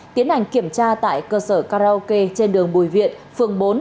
tiến hành kiểm tra tại cơ sở karaoke trên đường bùi viện phường bốn